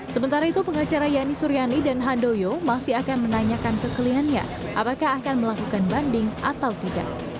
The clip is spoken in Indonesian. sementara itu pengacara yani suryani dan handoyo masih akan menanyakan kekeliannya apakah akan melakukan banding atau tidak